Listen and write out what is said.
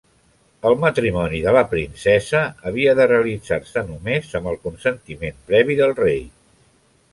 El matrimoni de la princesa havia de realitzar-se només amb el consentiment previ del rei.